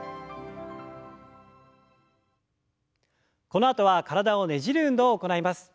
このあとは体をねじる運動を行います。